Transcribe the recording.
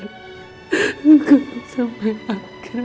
enggak sampai akhir